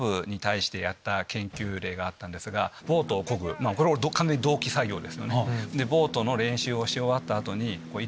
ボートをこぐこれは完全に同期作業ですよね。